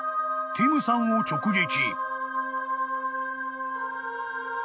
［ティムさんを直撃］